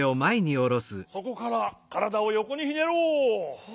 そこからからだをよこにひねろう。